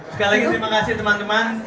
sekali lagi terima kasih teman teman